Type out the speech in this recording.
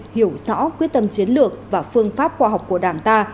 hiểu rõ quyết tâm chiến lược và phương pháp khoa học của đảng ta